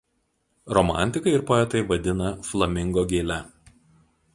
Romantikai ir poetai vadina flamingo gėle.